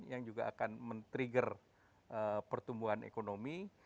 yang juga akan men trigger pertumbuhan ekonomi